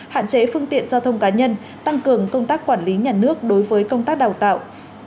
hạn chế phương tiện giao thông cá nhân tăng cường công tác quản lý nhà nước đối với công tác đào tạo